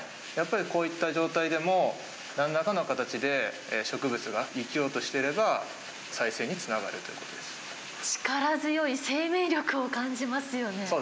やっぱりこういった状態でも、なんらかの形で植物が生きようとしていれば、再生につながるとい力強い生命力を感じますよね。